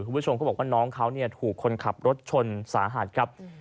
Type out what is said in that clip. คุณผู้ชมเขาบอกว่าน้องเขาถูกคนขับรถชนสาหัสครับ